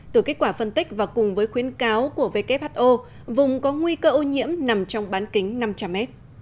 từ kết quả phân tích và cùng với khuyến cáo của who vùng có nguy cơ ô nhiễm nằm trong bán kính năm trăm linh m